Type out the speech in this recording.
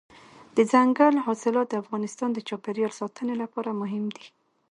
دځنګل حاصلات د افغانستان د چاپیریال ساتنې لپاره مهم دي.